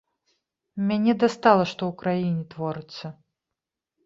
Мяне дастала, што ў краіне творыцца.